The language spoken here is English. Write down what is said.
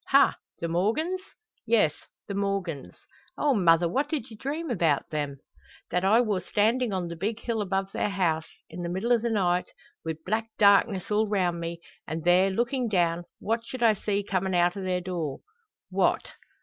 "Ha! the Morgans?" "Yes; the Morgans." "Oh, mother, what did you dream about them?" "That I wor standin' on the big hill above their house, in the middle o' the night, wi' black darkness all round me; and there lookin' down what should I see comin' out o' their door?" "What?"